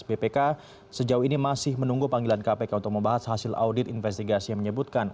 bpk sejauh ini masih menunggu panggilan kpk untuk membahas hasil audit investigasi yang menyebutkan